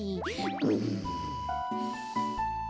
うん！